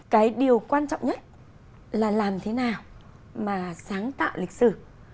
cái điều quan trọng nhất là làm thế nào mà sáng tạo lịch sử